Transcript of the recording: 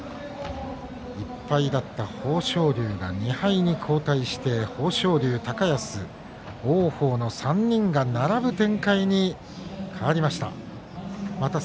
１敗だった豊昇龍が２敗に後退して豊昇龍、高安、王鵬の３人が並ぶ展開に変わりました。